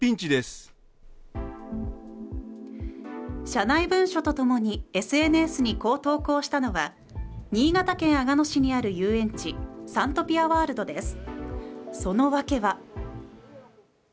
社内文書とともにＳＮＳにこう投稿したのは新潟県阿賀野市にある遊園地サントピアワールドです。